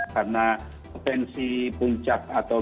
karena potensi puncak atau gelombang dari